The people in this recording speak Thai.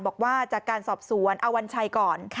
บอกว่าจากการสอบสวนอวัญชัยก่อน